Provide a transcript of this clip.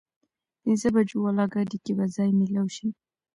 پينځه بجو واله ګاډي کې به ځای مېلاو شي؟